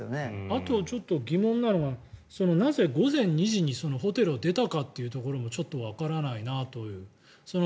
あとちょっと疑問なのはなぜ午前２時にホテルを出たかっていうところもちょっとわからないなという。